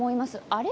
あれ？